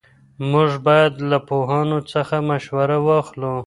موږ باید له پوهانو څخه مشوره واخلو.